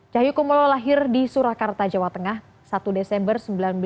cahyokumolo lahir di surakarta jawa tengah satu desember seribu sembilan ratus lima puluh tujuh